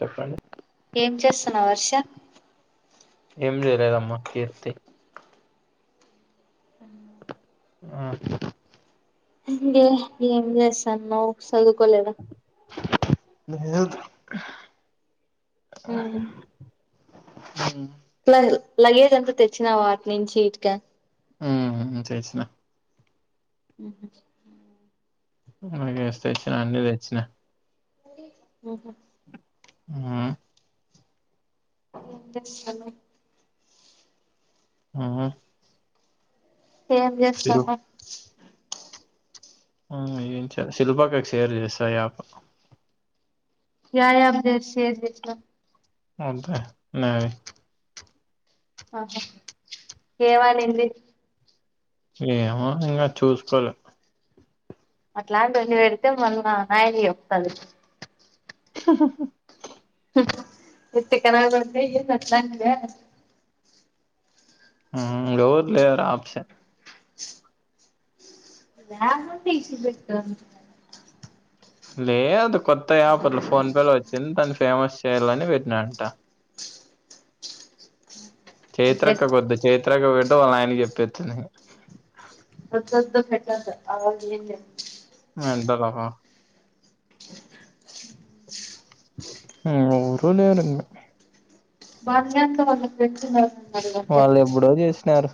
చెప్పండి ఏం చేస్తావు వర్ష్ ఏం చేయలేదమ్మా కీర్తి ఆ ఇంగే ఏం చేస్తన్నావ్ సదువుకోలేద లేదు ఊమ్ హుమ్ లన్ లగేజ్ అంతా తెచ్చినావా అట్నించి ఇటుక హుమ్ చేసిన మ్ హు లగేజ్ తెచ్చినా అన్ని తెచ్చినా ఆహా ఆ ఎం చేస్తాన్నవ్ హుమ్ ఏం చేస్తాన్నవ్ ఆ ఏం చె శిల్పక్కకి చెర్ చేశా అప్ య యాప్ చె షేర్ చేసినవ్ ఉంటే నాది ఆహా ఏవనింది ఏమో ఇంకా చూసుకోలే అట్లాంటివన్ని పెడితే వాళ్ళ నాయనికి చెప్తది ఈ తిక్కనా కొడుకు ఏందీ అట్లనిందే హా ఎవర్ లేరాప్ష యాప్ తీసి పెట్టాను లేద్ కొత్ త్త యాప్ అట్ల ఫోన్ పేలో వచ్చింది దాన్ని ఫేమస్ చేయాలని పెట్నంట అంటే చైత్రక్క కొద్దు చైత్రక్క పేడ్ తె వళ్ళ ఆయనకుప్పేత్తది వద్దు వద్దు పెట్టద్దు అవి అన్ని ఎందీ రా మెంటల్ హా ఉహ్ ఎవరు లేరు ఇంగా బాబీ గానీతో వాళ్ల ఫ్రెండ్స్ ఉన్నారు వాళ్ళు ఎబ్బుడో చేసినారు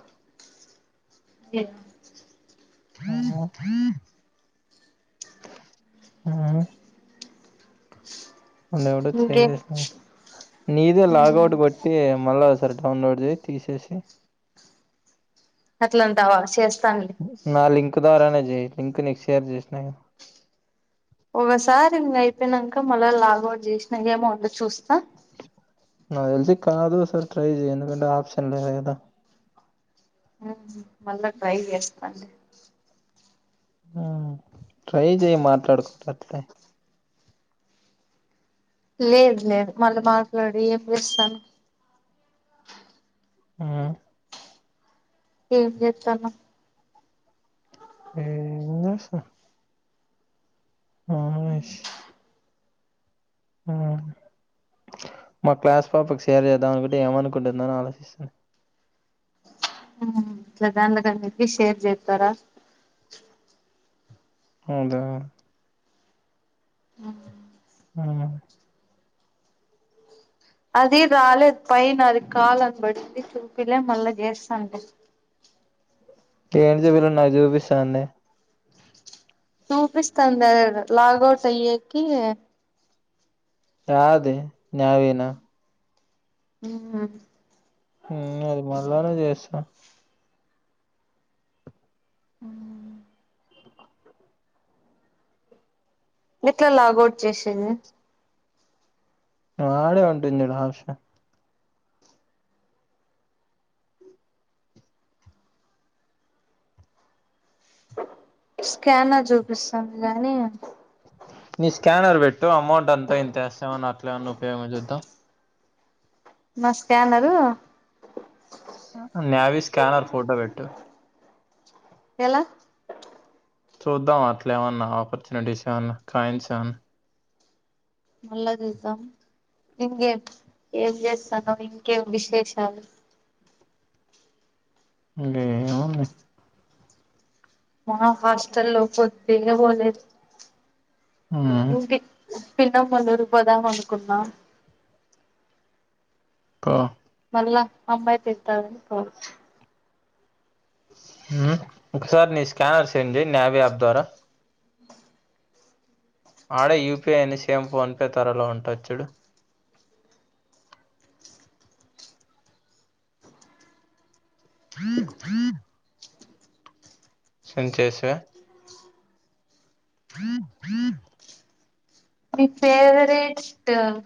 ఎట్ ఉహ్ ఉహ్ మనది ఎబ్బుడో ఇంకే చేసినారు నీదే లాగౌట్ కొట్టి మళ్ళా సరే డౌన్లోడ్ చేయి తీసేసి అట్లాంటితావా చేస్ నా లింక్ లింక్ ద్వారనే చేయి లింక్ నీకు షేర్ చేసినా గా ఒకసారి ఇంగా అయిపోయినాక మళ్ళీ లాగౌట్ చేసినాక ఏమో ఉండు చూస్తా నాకు తెల్సి కాదు ఒకసారి ట్రై చేయి ఎందుకంటే ఆప్షన్ లేదు కదా ఆహ్ మళ్ళా ట్రై చేస్తాండి ఉహ్ ట్రై చేయి మాట్లాడుకుంట అట్లే లేదు లేదు మళ్ళీ మాట్లాడి ఏం చేస్తాన్నవు ఉహ్ ఏం చెత్తన్నావు ఎమ్ దోసా ఆహ్ యస్ మా క్లాస్ పాపకు షేర్ చేద్దాం అనుకుంటే ఏమనుకుంటుందని ఆలోచిస్తున్న ఇట్లా దాండ్లకి అన్నిటికీ షేర్ చేస్తారా అవుద ఆహ్ ఉహ్ అది రాలేదు పైన అది కాల్ అని బడింది చూపిలే మళ్ళా చేస్తాండి ఏంటికి చూపియ్యలే నాకు చూపిస్తోంది చూపిస్తాంది అదేదో లాగౌట్ అయ్యేకి యాది నావి నా ఉహ్ ఉహ్ అది మళ్ళానే చేస్తా ఆహ్ ఎట్లా లాగౌట్ చేసేది ఆడే ఉంటుంది చూడు ఆప్షన్ స్కానర్ చూపిస్తుంది గానీ నీ స్కానర్ పెట్టు అమౌంట్ అంతా ఇంతో వేస్తామని అట్లే ఏమన్నన్నా ఉపయోగం చూద్దాం. నా స్కానరు నావి స్కానర్ ఫోటో పెట్టు ఎలా చూద్దా అట్లా ఏమన్నా ఆపర్చునిటీస్ ఏమన్నా, కాయిన్స్ ఏమన్నా మళ్ళా చూద్దాం ఇంకేం ఏం చేస్తానావ్ ఇంకేం విశేషాలు ఇంగా ఎమ్ ఉన్నాయి మా హాస్టల్ లో పొద్దె బోలేదు ఉహ్ పిన్నమ్మ వాళ్ల ఊరికి పోదాం అనుకున్నా క అబ్బాయి తిడతాన్నాడు పో ఒకసారి నీ స్కానర్స్ సెండ్ చెయి నావీ యాప్ ద్వారా ఆడ యూపిఐ అని సేమ్ ఫ ఫోన్ పే త్వరలో ఉంటది చూడు త్రీ త్రీ సెండ్ చేసా ఫ బ మీ ఫేవరెట్ స్టార్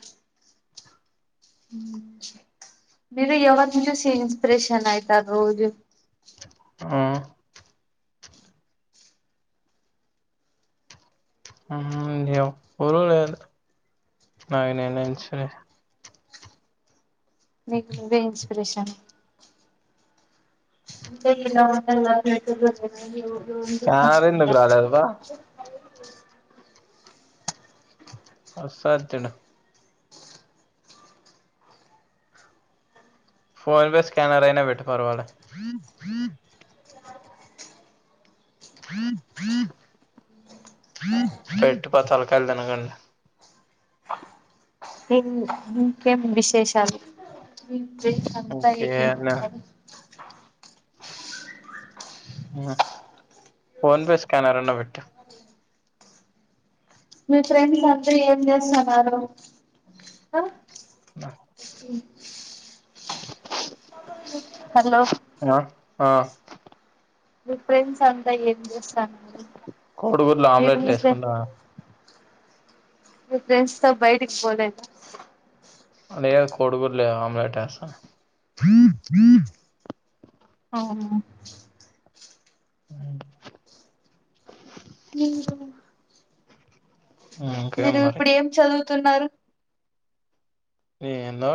మీరు ఎవరిని చూసి ఇన్స్పిరేషన్ అయితారు రోజు ఆ ఆ నాకు ఎవరూ లేరు న నేనే ఇన్స్పిరే ష న్ [unintelligible] నికు నివ్వే ఇన్స్పిరేషన్ అంతే ఇలా ఉండల్లనీ తినొపర్ కేజి ఇరవై స్కానర్ ఎందుకు రూపాయాలు రాలేదు ఉంటుందా బా అసల్ తెలు ఫోన్ పే స్కానర్ అయినా పెట్టు పరవాలే పెట్టు ఫస్ట్ తలకాయలు తినకుండా ఉ ఇంకెం విశేషాలు అంతా ఎం [unintelligible] ఇంకేనా లేదు పనీ ఫోన్ పే స్కానర్ ఉందా మితొ మీ ఫ్రెండ్స్ అంత ఏం చేస్తన్నారు నా ఉహ్ హలో ఆ ఆ డిఫరెంట్ స్ అంతా ఏం చేస్తాన్నవ్ కోడిగుడ్లు ఆమ్లెట్లు వేసుకుండా మీ ఫ్రెండ్స్ తో బయటికి పోలేద అదే కదా కోడుగుడ్లు ఆమ్లెట్ వేస్తాన్న ఆవున వున ఏమ్ కావల్ల ఇంకేం మీరు మరి ఇప్పుడు ఏం చదువు తున్నారు ఏమో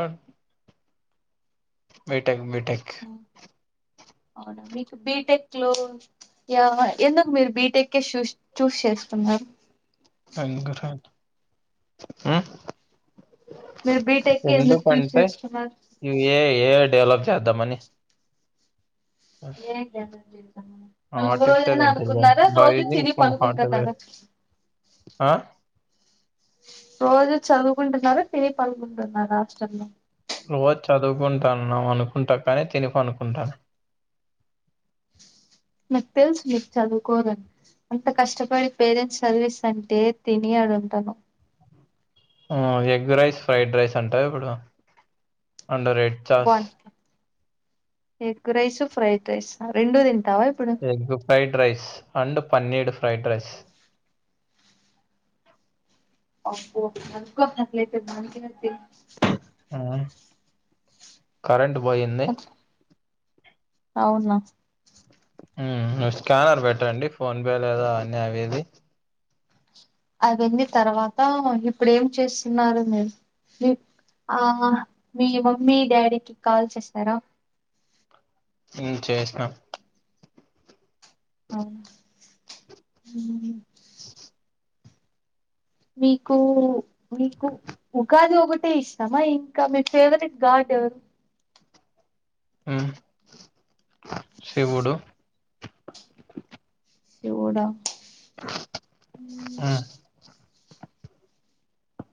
మిఠంగ్ మీఠక్ అవునా మీకు బీటెక్ లో యా ఎందుకు మీరు బీటెక్ కే చూస్ చూస్ చేసుకున్నారు మ్మ్ మీరు బీటెక్ కే ఎందుకు చూస్ ఎందుకంటంటే చేసుకున్నారు ఇవి ఏ ఏ డెవలప్ చేద్దమని ఏంద మళ్ళు ఒక ఆర్టిఫిషియల్ రోజైనా ఇంటెలిజెన్స్ అనుకున్నారా బై రోజు యూజింగ్ తిని ప సమ్ హార్డ్వేర్ అనుకుంటున్నారా ఆ రోజు చదువుకుంటున్నారు తిని పడుకుంటున్నారా హాస్టల్ లో రోజు చదువుకుంటాన్నా అనుకుంటా కానీ తిని పడనుకుంటా అనుకుంటాను నాకు తెలుసు మీకు చదువుకోదని అంత కష్టపడి పేరెంట్స్ చదివిస్తుంటేయ్ అంటే తిన అడుంటాను మ్ ఎగ్ రైస్ ఫ్రైడ్ రైస్ అంటా ఇప్పుడు అండర్ ఎడ్ చస్ బాగుంటా ఎగ్ రైస్ ఫ్రైడ్ రైస్ రెండూ తంట ఎ ఫ్రైడ్ రైస్ రం పన్నీడు ఫ్రైడ్ రైస్ అబ్బకులేయితే మకి కరెంట్ పొఇంది అవునా నువ్ స్కానర్ పెట్టండి ఫోన్పే లేదా అన్నీ అవిది అవీ తర్వాత ఇప్పుడు ఏం చేస్తున్నారు మీరు మీ ఆ మీ మమ్మీ డాడీకి కాల్ చేసారా ఇ చేసినాం అ మీకు మీకు ఉగాది ఒకటే ఇష్టమా ఇంకా మీ ఫేవరెట్ గాడ్ ఎవరు మ్ శివుడు శివుడా ఆ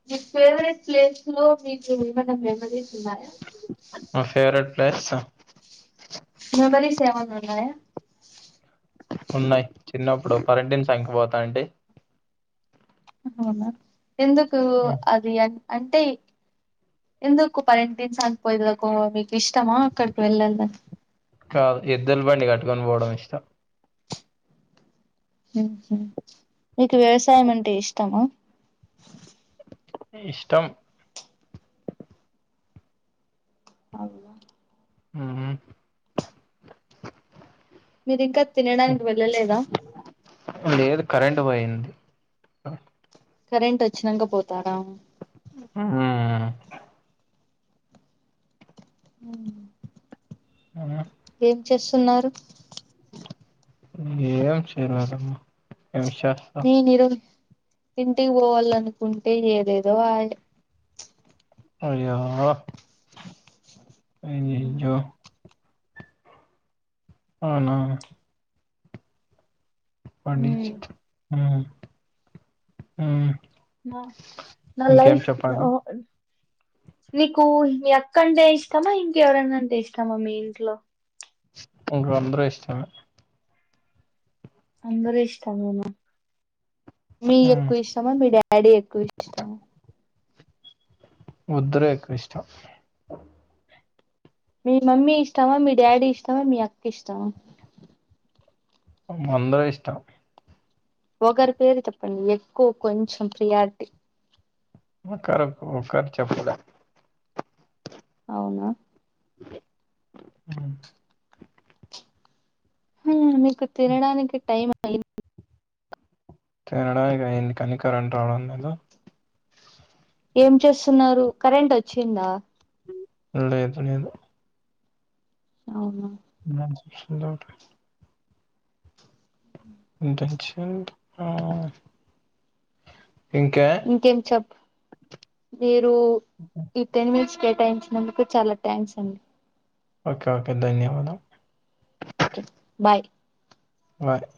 మీ ఫేవరెట్ ప్లేస్ లో మీకు ఏమన్న మెమరీస్ ఉన్నాయా ప్రస మెమరీ స ఏవన్ ఉన్నాయా ఉన్నాయి చిన్నప్పుడు కరంటైన్ సంఖ్య పోతా అడి అవునా ఎందుకు అది అని అంటే ఎందుకు పరెంటైన్స్గిపోయకు మీకు ఇష్టమా అక్కడికి వెళ్ళదాని కాదు ఎద్దులు పండి కట్టుకొని పోవడం ఇష్టం హ మీకు వ్యవసాయం అంటే ఇష్టమ అ [unintelligible] ఇష్టం అవున మ్ మీరి ఇంకా తినడానికి వెళ్ళలేదా టు పోయింది. కరెంట్ వచ్చినంక పోతారా ఆ ఉ ఆ చేస్తున్నారు ఏం చేర్వరమ్మా ఏ శేస్తా నేను ఈరోజు ఇంటికి పోవాలనుకుంటే ఏదేదో అయ్ అయ్యో అయ్యయ్యో అవునా ఉ పండిచ్ ఆ ఉ న నా లైఫ్ నీకు మీ అక్కంటే ఇష్టమా ఇంకెవరన్నంటే ఇష్టమా మీ ఇంట్లో నాకు అందరు ఇష్టమే అందరు ఇష్టమేనా మీ హ్మ్. ఎక్కు ఇష్టమా మీ డాడీ ఎక్కువ ఇష్టమా ముద్ర ఎక్కవ ఇష్టం మీ మమ్మీ ఇష్టమా, మీ డాడీ ఇష్టమా, మీ అక్క ఇష్టమా అమ్ అందరం ఇష్టం ఒకరి పేరు చెప్పండి ఎక్కువ కొంచెం ప్రియారిటీ ఒకక్క ఒకర్ చెప్పలేం అవున ఉ ఉ మీక్ తినడానికి టైమ్ టైమ్ తేడాయింది కనికరెం రావడం లేదో ఏం చేస్తున్నారు కరెంట్ వచ్చిందా లేదు లేదు అవున నిదంచ్ ఉంద ఉంట్ ఇంటెన్షన్ పా ఇంకేం చెప్పు లేద్ దు ఇట్ నిమ్స్ కేటాయించినందుకు చాలా థ్యాంక్స్ అండి ఓకే ఓకే ధన్యవాదాం ఓకే బాయ్ బాయ్